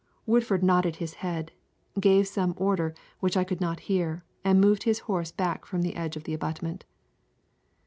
Woodford nodded his head, gave some order which I could not hear, and moved his horse back from the edge of the abutment.